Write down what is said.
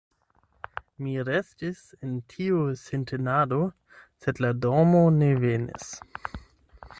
Mi restis en tiu sintenado, sed la dormo ne venis.